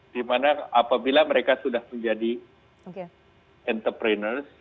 dimana apabila mereka sudah menjadi entrepreneur